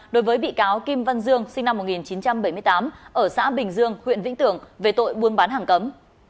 đối với bị cáo kim văn dương sinh năm một nghìn chín trăm bảy mươi tám ở xã bình dương huyện vĩnh tường về tội buôn bán hàng cấm